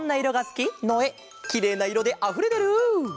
きれいないろであふれてる！